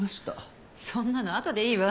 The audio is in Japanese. そんなのあとでいいわ。